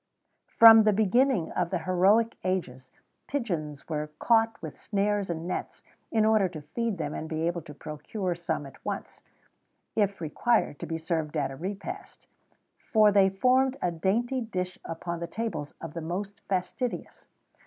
From the beginning of the heroic ages, pigeons were caught with snares and nets,[XVII 89] in order to feed them, and be able to procure some at once, if required to be served at a repast; for they formed a dainty dish upon the tables of the most fastidious.